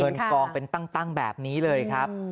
กองเป็นตั้งแบบนี้เลยครับ